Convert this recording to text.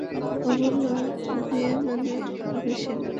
ওগুলো গুনেমানে হবে সেরা!